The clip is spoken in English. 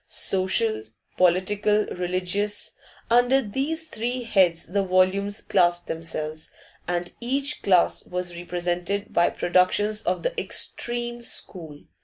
Social, political, religious, under these three heads the volumes classed themselves, and each class was represented by productions of the 'extreme' school.